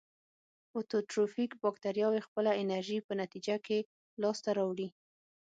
فوتوټروفیک باکتریاوې خپله انرژي په نتیجه کې لاس ته راوړي.